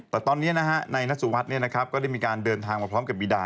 แต่ตอนนี้นายนัสสุวัสดิ์ก็ได้มีการเดินทางมาพร้อมกับบีดา